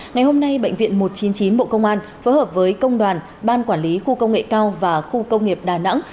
ngày hôm nay bệnh viện một trăm chín mươi chín bộ công an phối hợp với công đoàn ban quản lý khu công nghệ cao và khu công nghiệp đà nẵng